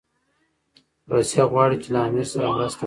روسیه غواړي چي له امیر سره مرسته وکړي.